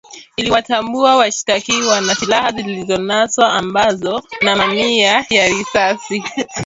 iliwatambua washtakiwa na silaha zilizonaswa ambazo na mamia ya risasi